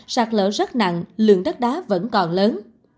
sạt lở rất nặng lượng đất đá vẫn còn lớn